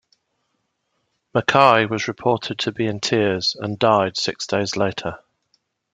Mackay was reported to be in tears, and died six days later.